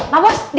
pak bos din